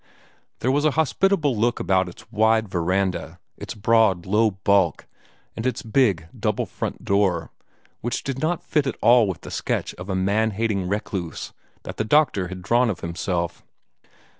There was a hospitable look about its wide veranda, its broad, low bulk, and its big, double front door, which did not fit at all with the sketch of a man hating recluse that the doctor had drawn of himself.